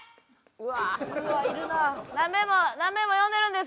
うわ！